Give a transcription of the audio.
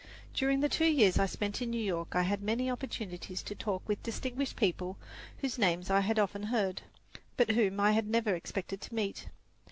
During the two years I spent in New York I had many opportunities to talk with distinguished people whose names I had often heard, but whom I had never expected to meet.